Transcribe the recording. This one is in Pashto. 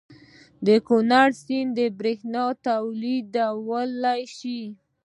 د کنړ سیند بریښنا تولیدولی شي؟